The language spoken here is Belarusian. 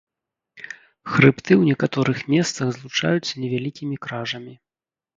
Хрыбты ў некаторых месцах злучаюцца невялікімі кражамі.